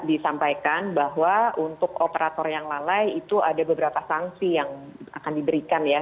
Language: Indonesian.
disampaikan bahwa untuk operator yang lalai itu ada beberapa sanksi yang akan diberikan ya